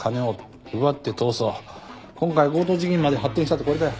今回強盗事件にまで発展したってこれだよ。